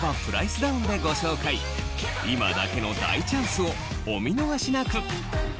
今だけの大チャンスをお見逃しなく！